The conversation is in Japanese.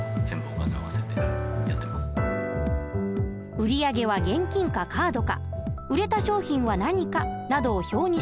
売り上げは現金かカードか売れた商品は何かなどを表にしてパソコンに入力。